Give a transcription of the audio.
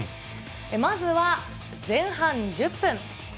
まずは前半１０分。